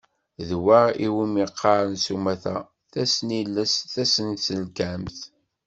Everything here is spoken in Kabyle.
D wa iwumi qqaren s umata: Tasnilest tasenselkamt.